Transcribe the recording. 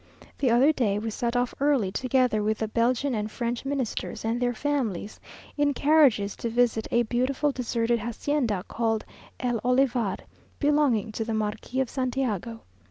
The other day we set off early, together with the Belgian and French Ministers and their families, in carriages, to visit a beautiful deserted hacienda, called el Olivar, belonging to the Marquis of Santiago.